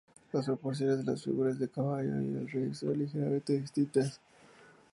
Las proporciones de las figuras del caballo y del rey son ligeramente distintas.